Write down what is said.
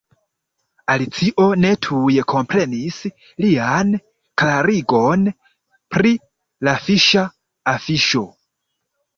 Alicio ne tuj komprenis lian klarigon pri la fiŝa afiŝo.